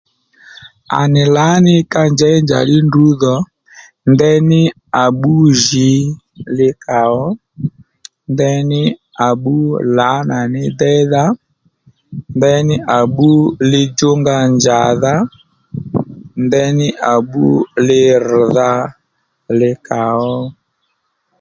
À nì lǎní ka njěy njàddí ndrǔ dhò ndeyní à bbú jǐ li kàó ndeyní à bbú lǎnà ní déydha ndeyní à bbú li djúnga njàdha ndeyní à bbú li rr̀dha li kàó